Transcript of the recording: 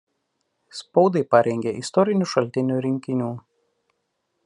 Spaudai parengė istorinių šaltinių rinkinių.